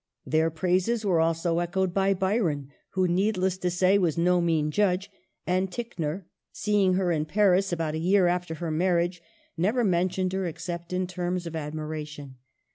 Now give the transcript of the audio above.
Their praises were also echoed by Byron, who, needless to say, was no mean judge ; and Tick nor, seeing her in Paris about a year after her marriage, never mentioned her except in terms of admiration.